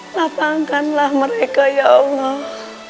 lapangkanlah mereka ya allah